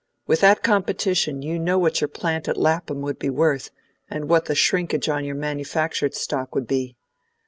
With that competition, you know what your plant at Lapham would be worth, and what the shrinkage on your manufactured stock would be.